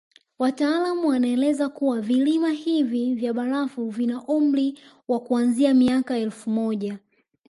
Wataalamu wanaeleza kuwa vilima hivi vya barafu vina umri wa kuanzia miaka elfu moja